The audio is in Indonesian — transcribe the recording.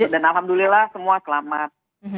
dan alhamdulillah semua selamat